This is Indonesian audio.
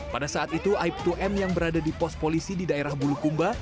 pada saat itu aib dua m yang berada di pos polisi di daerah bulukumba